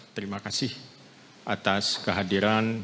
terima kasih atas kehadiran